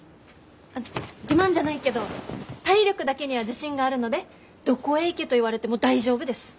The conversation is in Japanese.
自慢じゃないけど体力だけには自信があるのでどこへ行けと言われても大丈夫です。